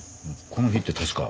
この日って確か。